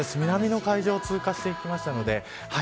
南の海上を通過していきましたので。